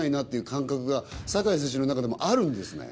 感覚が酒井選手の中でもあるんですね？